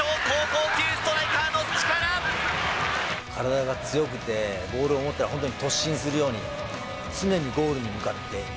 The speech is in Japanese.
体が強くて、ボールを持ったら、本当に突進するように、常にゴールに向かって。